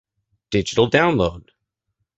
Digital download.